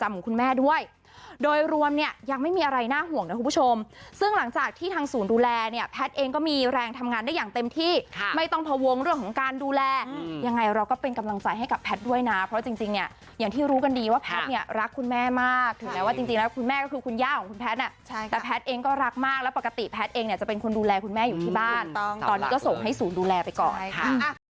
เพราะจริงเนี่ยอย่างที่รู้กันดีว่าแพทเนี่ยรักคุณแม่มากถึงแม้ว่าจริงแล้วคุณแม่ก็คือคุณย่าของคุณแพทเนี่ยแต่แพทเองก็รักมากแล้วปกติแพทเองเนี่ยจะเป็นคนดูแลคุณแม่อยู่ที่บ้านตอนนี้ก็ส่งให้ศูนย์ดูแลไปก่อน